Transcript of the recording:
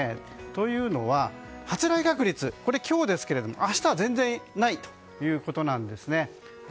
というのは発雷確率、これは今日ですが明日は全然ないということなんです。